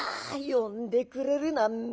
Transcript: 「あ呼んでくれるな。